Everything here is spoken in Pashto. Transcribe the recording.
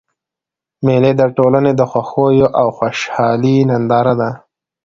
مېلې د ټولني د خوښیو او خوشحالۍ ننداره ده.